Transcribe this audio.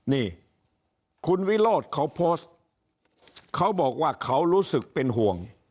นี่คุณวิโรธเขาโพสต์เขาบอกว่าเขารู้สึกเป็นห่วง